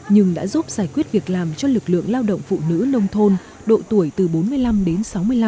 nhưng đã giúp giải quyết việc làm cho lực lượng lao động phụ nữ nông thôn độ tuổi từ bốn mươi năm đến sáu mươi năm